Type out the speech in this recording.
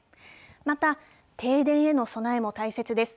また、停電への備えも大切です。